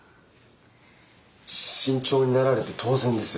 慎重になられて当然です。